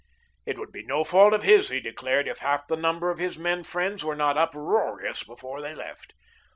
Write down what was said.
It would be no fault of his, he declared, if half the number of his men friends were not uproarious before they left.